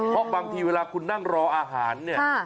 เพราะบางทีเวลาคุณนั่งรออาหารเนี่ย